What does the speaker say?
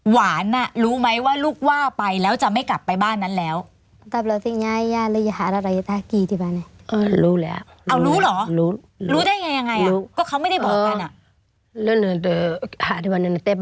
รู้ไหมว่าลูกว่าไปแล้วจะไม่กลับไปบ้านนั้นแล้ว